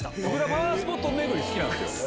パワースポット巡り好きなんすよ。